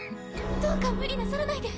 どうか無理なさらないで。